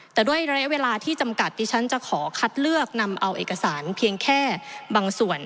แต่ด้วยระยะเวลาที่จำกัดดิฉันจะขอคัดเลือกนำเอาเอกสารเพียงแค่บางส่วน